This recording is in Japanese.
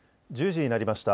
１０時になりました。